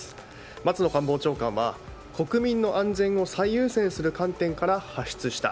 松野官房長官は国民の安全を最優先する観点から発出した。